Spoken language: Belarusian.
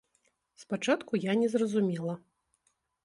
Спачатку я не зразумела.